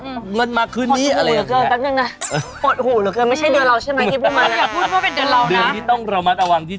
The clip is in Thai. เดือนกระกะดาคม